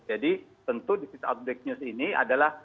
jadi tentu disease outbreak news ini adalah